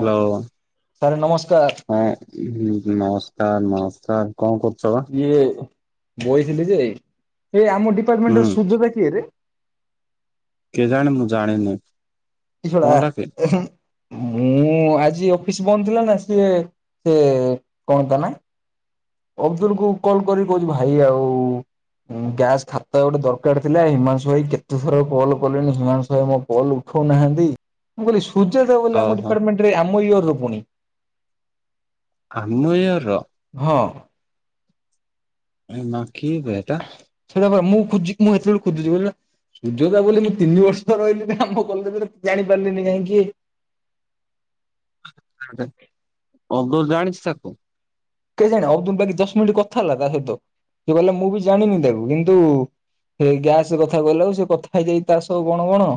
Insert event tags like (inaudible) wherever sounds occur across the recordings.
Hello ହଁ। Sir ନମସ୍କାର ଉଁ ହୁଁ ନମସ୍କାର ନମସ୍କାର କଣ କରୁଛ ବା? ଇଏ ବଇଥିଲି ଯେ ଏ ଆମ ହୁଁ ଡିପାର୍ଟମେଣ୍ଟର ସୁୂଜାତା କିଏରେ? କେ ଜାଣି ମୁଁ ଜାଣିନି। ଇ ଶଳା କଣ ଟା କି ଏହୁଁ। ମୁଁ ଆଜି ଅଫିସ ବନ୍ଦ ଥିଲା ନା ସିଏ ସେ କଣତା ନା। ଅବଦୁଲ କୁ କଲ୍ କରିକି କହୁଚି ଭାଇ ଆଉ। ଗ୍ୟାସ୍ ଖାତା ଗୋଟେ ଦରକାର ଥିଲା ହିମାଂଶୁ ଭାଇ କେତେ ଥର କଲ୍ କଲେଣି ହିମାଂଶୁ ଭାଇ ମୋ କଲ୍ ଉଠ ଉଠଉ ନାହାନ୍ତି ମୁଁ କହିଲି ସୁ ସୁୂର୍ଯ୍ୟଦେଵ ବୋଲି ଆମ ଓହୋ ଡିପାର୍ଟମେଣ୍ଟରେ ଆମ ଇଅର ପୁଣି। ଆମ ଇୟରର। ହଁ ହ (inaudible) ସେଟା ପରା ମୁଁ ଖୁଜି ମୁଁ ହେତେବେଳୁ ଖୁଜୁଚି କହିଲି ହେଟା ସୁଜାତା ବୋଲି ମୁଁ ତିନି ବର୍ଷ ରହିଲି ଆମ କଲେଜରେ ଜାଣିପାରିଲିନି କାଇଁ କିଏ। (inaudible) ଅବଦୁଲ ଜାଣିଚି ତାକୁ। କେଜାଣୀ ଅବଦୁଲ ବାକି ଦଶମିନିଟ କଥା ହେଲା ତା ସହିତ ସେ କହିଲା ମୁଁ ବି ଜାଣିନି ତାକୁ କିନ୍ତୁ ହେ ଗ୍ୟାସ କଥା କହିଲା ଆଳକୁ ସେ କଥା ହେଇଯାଇଚି ତା ସହ କଣ କଣ।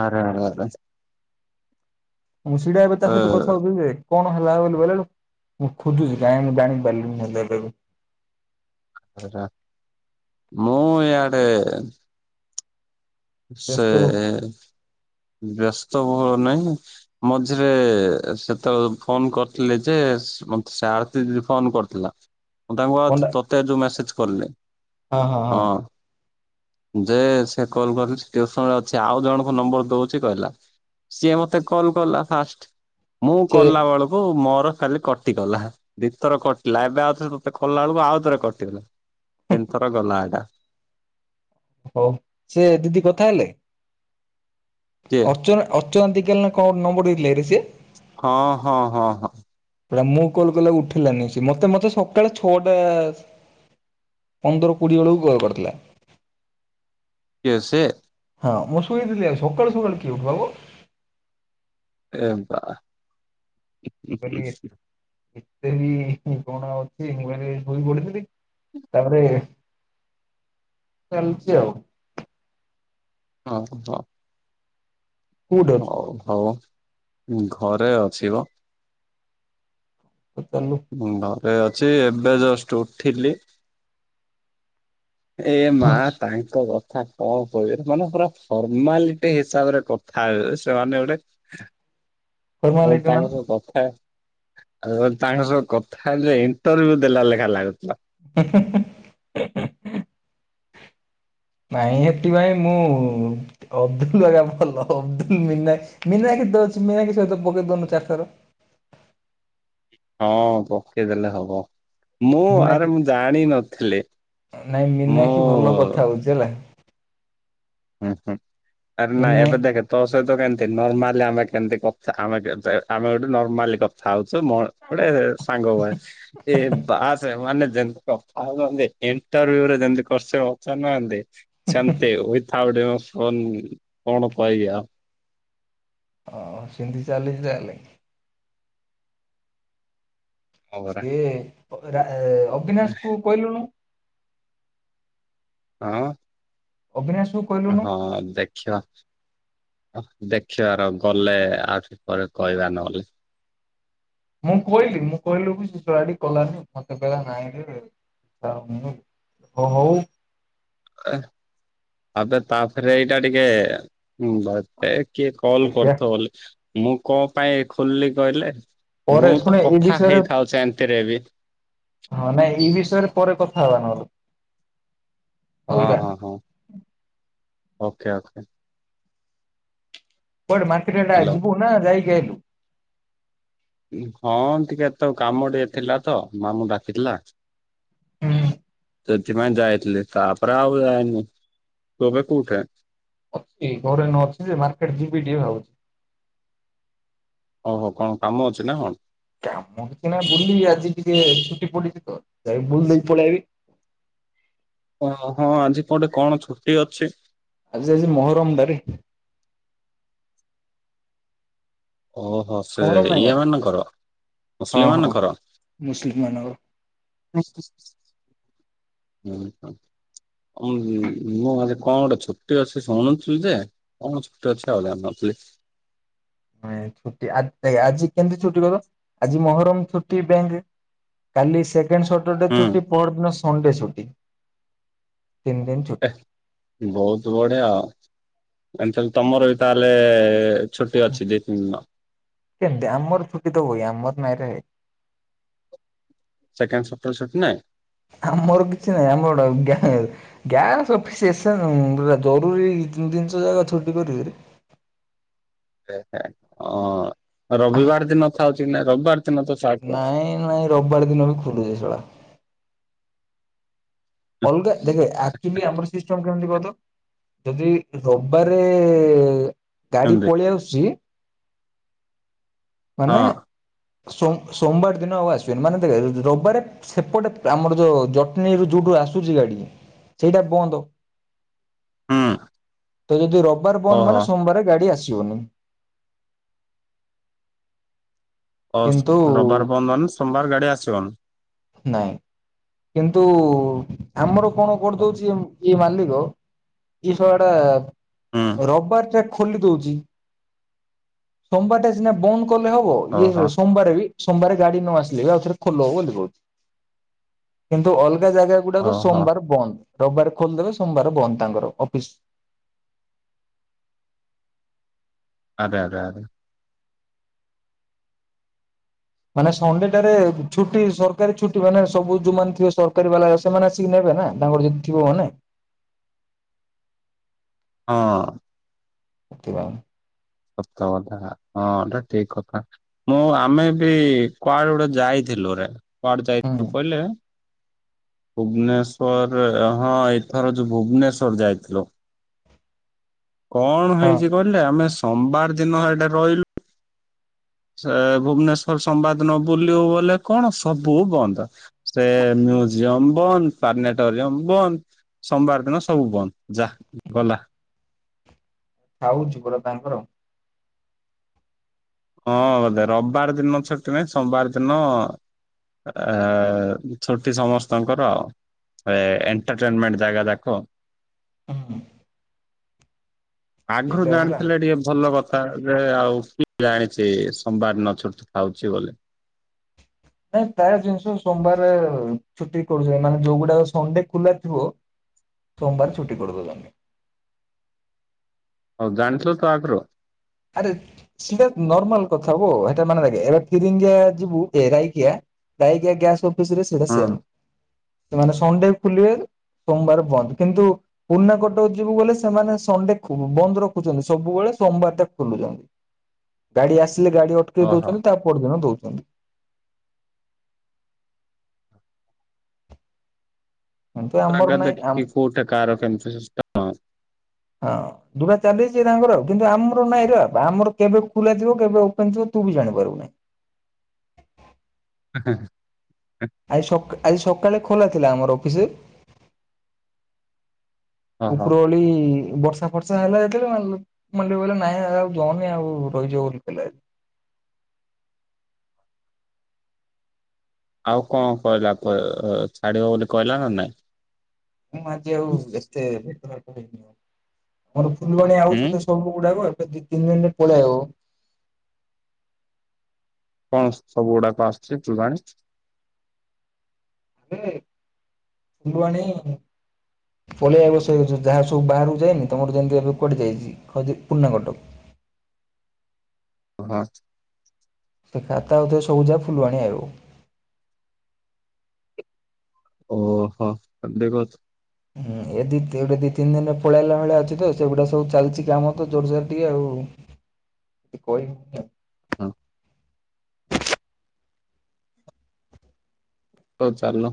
ଆରେ ଆରେ ଆରେ। ହଁ ସେଇଟା ଏବେ ତା ସହିତ କଥା ହେଉଥିଲି ଯେ। କଣ ହେଲା ବୋଲି ବୋଇଲାଳକୁ ମୁଁ ଖୁଜୁଚି କାଇଁ ମୁଁ ଜାଣି ପାରିଲିନି (inaudible) ଏ ରା ମୁଁ ଇଆଡେ ସେ ବ୍ୟସ୍ତ ବ୍ୟସ୍ତ ଭୋଳ ନାହିଁ। ମଝିରେ ସେତେବେଳେ ଫୋନ କରିଥିଲେ ଯେ ମତେ ସେ ଆରତି ଦିଦି ଫୋନ କର ଥିଲା ମୁଁ ତାଙ୍କୁ ଆଉ ପଣ୍ଡା ତତେ ଯୋଉ ମେସେଜ କରିଲି। ହଁ ହଁ ହଁ। ଯେ ସେ କଲ କରିଲ ଟିୟୁସନରେ ଅଛି ଆଉ ଜଣଙ୍କ ନମ୍ବର ଦଉଛି କହିଲା। ସିଏ ମତେ କଲ୍ କଲା ଫାଷ୍ଟ। ମୁଁ ସେ କଲା ବେଳକୁ ମୋର ଖାଲି କଟିଗଲା ଦିଇଥର କଟିଲା। ଏବେ ଆଉ ତତେ କଲା ବେଳକୁ ଆଉଥରେ କଟିଗଲା। ତିନିଥର ଗଲା ଏଟା। ହଉ ସେ ଦିଦି କଥା ହେଲେ। କିଏ? ଅର୍ଚ୍ଚନା ଅର୍ଚ୍ଚନା ଦିଗାଲ କଣ ଗୋଟେ ନମ୍ବର ଦେଇଥିଲେ ନା ସେ। ହଁ ହଁ ହଁ ହଁ। ପୁରା ମୁଁ କଲେ ଉଠେଇଲାନି। ସେ ମତେ ମତେ ସକାଳେ ଛଅଟା ପନ୍ଦର କୋଡିଏ ବେଳକୁ କଲ୍ କରିଥିଲା। କିଏ ସିଏ। ହଁ ମୁଁ ସୁଇଥିଲି ଆଉ ସକାଳୁ ସକାଳୁ କିଏ ଉଠିବା ବୋ। ଏ ବା ହୁଁ ହୁଁ ହୁଁ। ଏଇ କଣ ଅଛି ମୁଁ କହିନି ଶୋଇ ପଢିଥିଲି। ତାପରେ ଚାଲିଚି ଆଉ। ହଉ ହଁ। କୋଉଠି ଅଛୁ ହଉ ହଉ ଘରେ ଅଛିବ। ଚାଲୁ ଘରେ ଅଛି ଏବେ ଜଷ୍ଟ ଉଠିଲି। ଏ ମା ତାଙ୍କ କ ଥା କଣ କହିବେ ମାନେ ପୁରା ଫର୍ମାଲିଟି ହିସାବରେ କଥା ହେବେ। ସେମାନେ ଗୋଟେ। ହଁ ଫର୍ମାଲିଟି ମାନେ ତାଙ୍କ ର କଥା ତାଙ୍କ ସହ କଥା ହେଲେ ଇଣ୍ଟରଭି୍ୟୁ ଦେଲା ଲେଖା ଲାଗୁ ହୁଁ ହୁଁ ହୁଁ। ନାଇଁ ହେତିପାଇଁ ମୁଁ ଅବଦୁଲ ଆଜ୍ଞା ଭଲ। ଅବଦୁଲା ମିନା ମିନା କେତେ ଅଛି ମିନାଖି ସହିତ ପକେଇ ଦଉନୁ ଚାରିଥର। ହଁ ପକେଇ ଦେଲେ ହେବ। ମୁଁ ଆରେ ମୀନାକ୍ଷୀ ମୁ ଜାଣି ନଥିଲି। ନାଇଁ ମୁଁ ମୀନାକ୍ଷୀ ଭଲ କଥା ହଉଛି ହେଲା ହୁଁ ହୁଁ ଆରେ ନାଇଁ ମୀନା ଏବେ ଦେଖେ ତୋସ ସହିତ କେମତି ନରମ୍ମାଲି ଆମେ କେମତି କଥା ଆମେ କେତେ ଆମେ ଗୋଟେ ନର୍ମାଲି କଥା ହଉ ଚୁ ମ ଗୋଟେ ଓ ସାଙ୍ଗ ଭଳିଆ ବାସ ମାନେ ଯେମିତି କଥା ହୋଉଚନ୍ତି ଏଣ୍ଟରଭିଉ ରେ ଯେମତି କୋଚିନ ପଚାରିନାହାନ୍ତି। ସେମତି ଉଇ ଆଉ ଗୋଟେ ଫୋନ କହିବି ଆଉ। ହ ସିମିତି ଚାଲିଚି ତା ହେଲେ। ହଁ ପରା ସିଏ ଅବିରା ଅବିନାଶ କୁ କହିଲୁୁନୁ। ହଁ। ଅବିନାଶ ହଁ ଦେଖିବା। ଦେଖିବାର ଗଲେ ଆଉ ଟିକେ ପରେ କହିବା ନହଲେ। (unintelligible) ମୁଁ କହିଲି ମୁଁ କହିଲି ସେ ପିଲାଟି କଲାନି ମତେ କଇଲା ନାଇଁରେ। ଆଉ ମୁଁ ହଉ। ଏ ଆବେ ତାପରେ ଏଇଟା ଟିକେ ଉଁ ଭ ଦେଖେ। କିଏ କଲ୍ ଦେଖିବା କରିୁଥିବ ହେଲେ। ମୁଁ କଣ ପାଇଁ ଖୋଲିଲି କହିଲେ। ପରେ ମୁଁ ତ ଶୁଣେ ଏଇ କଥା ବିଷୟରେ ହେଇଥାଉ ସେମିତିରେ ବି। ହଁ ନାଇଁ ଏଇ ବିଷୟରେ ପରେ କଥା ହବା ନହେଲେ। ହଁ ଅଲଗା ହଁ ହଁ ଓକେ ଓକେ। କୁଆଡେ ମାର୍କେଟ ଆଡ଼େ ହ୍ୟାଲୋ। ଯିବୁ ନା ଯାଇକି ଆଇଲୁ। ହୁଁ ହଁ ଟିକେ ତ କାମ ଟିକେ ଥିଲା ତ ମାମୁଁ ଡାକିଥିଲା। ହୁଁ ସେଥିପାଇଁ ଯାଇଥିଲି ତାପରେ ଆଉ ଯାଇନି ତମେ କୋଉଠେ? ଅତି ଘରେ ନ ଥିଲେ ଯେ ମାର୍କେଟ ଯିବି ଟିକେ ଭାବୁଛି। ହଉ ହଉ କଣ କାମ ଅଛି ନା କଣ? କାମ କିଛି ନା ବୁଲିବି ଆଜି ଟିକେ ଛୁଟି ପଡ଼ିଛି ତ ଯ ବୁଲି ଦେଇକି ପଳେଆଇବି। ଓ ହଁ ଆଜି କଣ ଗୋଟେ କଣ ଛୁଟି ଅଛି? ଆଜି ଆଜି ମହରମ ଟାରେ। ଅ ହୋ ସେ ମହରମ ନାଇଁ କଣ ଇଏ ମାନଙ୍କର ମୁସଲିମ ହଁ ହଁ ମାନଙ୍କର। ମୁସଲିମ ମାନଙ୍କର ହୁଁ ହ। ମୁଁ ଆଜି କଣ ଗୋଟେ ଛୁଟି ଅଛି ଶୁଣୁଥିଲି ଯେ କଣ ଛୁଟି ଅଛି ଆଉ ଜାଣିନଥିଲି। (unintelligible) ନାଇଁ ଛୁଟି ଆ ଆଜି କେମିତି ଛୁଟି କହିଲ ଆଜି ମହରମ ଛୁଟି ବ୍ୟାଙ୍କରେ। କାଲି ସେକେଣ୍ଡ ସଟରଡେ ହୁଁ ଛୁଟି ପହର ଦିନ ସନଣ୍ଡେ ଛୁଟି। ବହୁତ ବଢ଼ିଆ ଆଉ ଏମିତି ତମର ତାହେଲେ ଛୁଟି ଅଛି ଦି ତିନି ଦିନ କେମିତି ଆମର ଛୁଟି ତ ହୁଏ ଆମର ନାହିଁରେ ଭାଇ। ସେକେଣ୍ଡ୍ ସଟର ଡେ ଛୁଟି ନାହିଁ। ଆମର କିଛି ନାହିଁ ଆମର ଗ୍ୟାସ ପୁରା (unintelligible) ଜରୁରୀ। ଏହି ତିନି ଦିନ ଯାକ ଛୁଟି କରିବେରେ। (unintelligible) ହଁ ରବିବାର ଦିନ ଥାଉଛି କି ନା ରବିବାର ଦିନ ତ ଛାଡ ନାଇଁ ନାଇଁ ରବିବାର ଦିନ ବି ଖୁଲୁଛି ସଳା। ଅଲଗା ଦେଖେ ଆକଚୁଆଲି ଆମର ସେହି ସିଷ୍ଟମ କେମିତି କହ ତ ଯଦି ରବିବାରେ ଗାଡ଼ି ଏମତି ପଳି ଆସୁଚି। ମାନେ ହଁ ସୋମ ସୋମବାର ଦିନ ଆଉ ଆସିବେନି ମାନେ ଦେଖେ ରବିବାରେ ସେପଟେ ଆମର ଯୋଉ ଜଟଣୀରୁ ଯଉଠୁ ଆସୁ ଆସୁଛି ଗାଡି ସେଇଟା ବନ୍ଦ। ହୁଁ ତ ଯଦି ରବିବାର ବନ୍ଦ ମାନେ ଓହୋ ସୋମବାର ଗାଡି ଆସି ଆସିବନି। ହଁ କିନ୍ତୁ ରବିବାର ବନ୍ଦ ମାନେ ସୋମବାର ଗାଡି ଆସିବନି। ନାଇଁ କିନ୍ତୁ ଆମର କଣ କରିଦଉଛି ଯିଏ ମାଲ୍ଲିକ ଇଏ ସଳାଟା ହୁଁ ରବିବାର ଟା ଖୋଲି ଦଉଛି ସୋମବାରଟା ସିନା ବନ୍ଦ କଲେ ହବ ଓହୋ ଇଏ ସୋମବାର ବି ସୋମବାରେ ଗାଡି ନ ଆସିଲେ ବି ଆଉଥରେ ଖୋଲ ବୋଲି କହୁଛି କିନ୍ତୁ ଅଲଗା ଅଲଗା ଜାଗା ଗୁଡ଼ାକ ଓହୋ ସୋମବାରେ ବନ୍ଦ। ରବିବାରେ ଖୋଲିଦବେ ସୋମବାରେ ବନ୍ଦ ତାଙ୍କର ଅଫିସ୍। ଆରେ ଆରେ ଆରେ। ମାନେ ସଣ୍ଡେ ଟାରେ ଛୁଟି ସରକାରୀ ଛୁଟି ମାନେ ସବୁ ଯୋଉଁମାନେ ଥେ ସରକାରୀ ବାଲା ସେମାନେ ଆସିକି ନେବେ। ନେବେ ନା ତାଙ୍କର ଯଦି ଥିବ ହଁ। ! ! ! ! ! ! ! ! ! ! ସତ କଥା ହଁ ଏଟା ଠିକ କଥା ମୁଁ ଆମେ ବି କୁଆଡେ ଗୋଟେ ଯାଇଥିଲି ଲୁରେ କୁଆଡେ ଯାଇ ହୁଁ କହିଲେ ଭୁବନେଶ୍ଵର ହଁ ଏଥର ଯୋଉ ଭୁବନେଶ୍ଵର ଯାଇଥିଲୁ। କଣ ହଁ ହେଇଛି କହିଲେ ଆମେ ସୋମବାର ଦିନ ଏଇଟା ରହିଲୁ। ସେ ଭୁବନେଶ୍ଵର ସମ୍ବାଦ ନ ବୁଲୁ ବଲେ କଣ ସବୁ ବନ୍ଦ ସେ ନ୍ୟୁଜ୍ ଜୀୟମ ବନ୍ଦ ପାଟେରିୟମ ବନ୍ଦ ସୋମବାର ଦିନ ସବୁ ବନ୍ଦ ଯା ଗଲା। ଖାଉଛି ପା ପାମ୍ପର। ହଁ ବୋଧେ ରବିବାର ଦିନ ଛୁଟି ନାଇଁ ସୋମବାର ଦିନ ଆ ଛୁଟି ସମସ୍ତଙ୍କର ଆଉ। ଏ ଏଣ୍ଟରଟେନମେଣ୍ଟ ଜାଗା ଦେଖ ହଁ ଆଗରୁ ଜାଣିଥିଲେ ଟିକେ ଭଲ କଥା ଯେ ଆଉ କି ମୁଁ ଯାଣିଛି ସୋମବାର ନ ଛଟି ଦଉଛି ବୋଲି। ନାଇଁ ପ୍ରାୟ ଜିନିଷ ସୋମବାରେ ଛୁଟି କରୁଛନ୍ତି ମାନେ ଯୋଉଗୁଡାକ ସଣ୍ଡେ ଖୋଲା ଥିବ। ସୋମବାରେ ଛୁଟି କରି ଦୋଉଚନ୍ତି। ହଉ ଜାଣିଚ ତ ଆଗରୁ ଆରେ ସେଟା ନର୍ମାଲ କଥାଗୋ ହେଟା ମାନେ ଏବେ ଫିରିଙ୍ଗିଆ ଯିବୁ ଏାଇକିଆ (unintelligible) ଯାଇକଆ ଗ୍ୟାସ ଅଫିସ ରେ ସେଟା ହଁ ସେମ ସେମାନେ ସନଡେ ଖଲିବେ ସୋମବାର ବନ୍ଦ କିନ୍ତୁ ପୁରୁଣା କଟକ ଯିବୁ ଗଲେ ସେମାନେ ସଣ୍ଡେ ଖୁ ବନ୍ଦ ରଖୁଛନ୍ତି ସବୁବେଳେ ସୋମବାରଟା ଖୋଲୁଛନ୍ତି ଗାଡି ଆସିଲେ ଗାଡି ଅଟକେଇ ଓହୋ ଦଉଛନ୍ତି ତା ପରଦିନ ଦଉ (inaudible) କିନ୍ତୁ ଆମର ପ୍ରଗଧ ନାଇଁ ହଁ କି କୋଉଟା କାର କେମିତି ସିଷ୍ଟମ ହଁ ଦୁଟା ଚାଲିଛି ତାଙ୍କର ଆଉ। କିନ୍ତୁ ଆମର ନାଇଁ ର ଆମର କେବେ ଖୋଲା ଥିବ କେବେ ଓପେନ ଥିବ ତୁ ବି ଜାଣିପାରିବୁନାହିଁ। ହ ହ ଆଜି ସକା ଆଜି ସକାଳେ ଖୋଲା ଥିଲା ଆମର ଅଫିସ। ଓହୋ ଉପରୋଳି ବର୍ଷା ଫର୍ଷା ହେଲା ଯେତେବେଳେ ମାନେ କହିଲା ନାଇଁ ଆଉ ଯାଉନି ଆଉ ରହିଯିବ ବୋଲି ଗୋଟେ ପିଲାଏ (inaudible) ଆଉ କଣ କହିଲା କ ଛାଡିବ ବୋଲି କହିଲା ନା ନାଇଁ ମୁଁ ଆଜି ଆଉ ଏତେ ଭେଟ ଭେଟ ହେଇନି ଆଉ ମୋର ବୁଲୁଣି ହୁଁ ଆଉଛି ତ ସବୁଗୁଡାକ ତ ଦି ତିନି ରେ ପଳେଇଆଇବ କଣ ସବୁ ଗୁଡାକ ଆସୁଛି ତୁ ଜାଣି ଆ ଫୁଲବାଣି ପଳିଆବସାଉ ଯାହା ସବୁ ବାହାରକୁ ଯାଇନି ତମର ଯେମିତି ଏବେ କଟି ଯାଇଛି ପୁରୁଣା କଟକ (inaudible) ହ‌ଁ ସେ ଖାତା ହଉଥ ସବୁ ଯା ଫୁଲବାଣୀ ଆଇବ। ଓହୋ କ ଦେ (unintelligible) ହୁଁ ଏ ଦି ଗୋଟେ ଦି ତିନି ଦିନରେ ପଳେଇଲା ଭଳିଆ ଅଛି ତ ସେଗୁଡା ସବୁ ଚାଲିଛି କାମ ତ ଜୋର୍ ଜାର ଟିକେ ଆଉ। (inaudible) ତୁ କହିବୁ ନା ହଁ ହଉ ଚାଲୁ।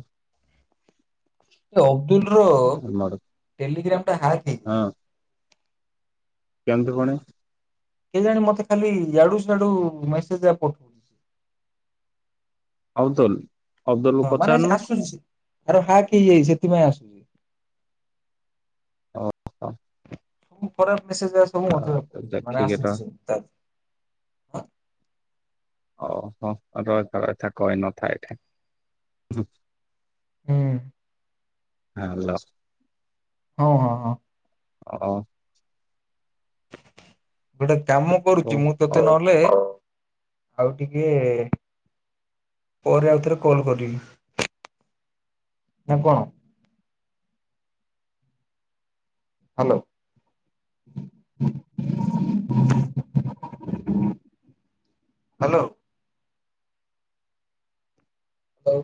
ଅବଦୁଲ ର ଆମର ଟେଲିିଗ୍ରାମ ଟା ହାକ ହୋଇଛି। କେମତି କଣେ କେ ଜାଣି ମତେ ଖାଲି ଏୟାଡୁ ସେଡୁ ମେସେଜା ପଠଉ ଅବଦୁଲ ଅବଦୁଲକୁ ହଁ ମାନେ ପଚାରୁନୁ ଆସୁଛି ଆରେ ହାକ ହେଇଯାଇଛି ସେଥିପାଇଁ ଆସୁଛି। ଓ ହୋ। ସବୁ ଖରାପ ମେସେଜ ସବୁ ମତେ ମାନେ ଦେଖିକି ର ଆସୁଛି ସବୁ। ହ ଓ ହୋ ରଇଥା ରଇଥା କହି ନଥା ଏଠି। ହୁଁ। ହ୍ୟାଲୋ। ହଁ ହଁ ହଁ। ହ। ଗୋଟେ କାମ କରୁଛି ମୁଁ ତତେ ନହେଲେ ଆଉ ଟିକେ ପରେ ଆଉଥରେ କଲ୍ କରିବି। ନା କଣ? ହ୍ୟାଲୋ। ହ୍ୟାଲୋ। ହଉ।